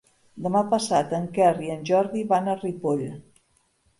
Demà passat en Quer i en Jordi van a Ripoll.